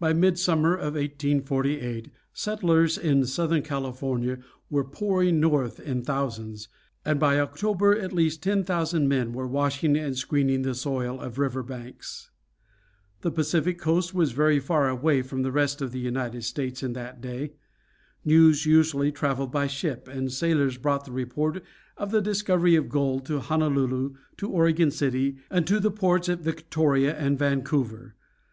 By midsummer of 1848 settlers in southern California were pouring north in thousands, and by October at least ten thousand men were washing and screening the soil of river banks. [Illustration: WHEREVER THERE WAS A STREAM, EXPLORERS BEGAN TO DIG] The Pacific coast was very far away from the rest of the United States in that day. News usually traveled by ship, and sailors brought the report of the discovery of gold to Honolulu, to Oregon City, and to the ports at Victoria and Vancouver.